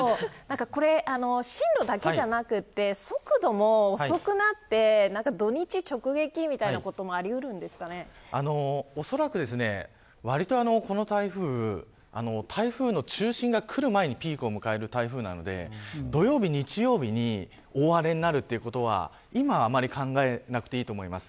これ進路だけじゃなくて、速度も遅くなって、土日直撃みたいなこともおそらく、わりとこの台風台風の中心が来る前にピークを迎える台風なので土曜日、日曜日に大荒れになるということは今は、あまり考えなくていいと思います。